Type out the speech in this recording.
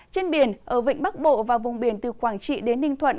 trên biển ở vịnh bắc bộ và vùng biển từ quảng trị đến ninh thuận